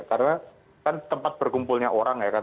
karena kan tempat berkumpulnya orang ya kan